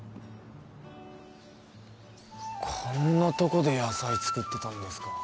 こんなとこで野菜作ってたんですか